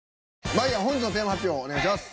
まいやん本日のテーマ発表をお願いします。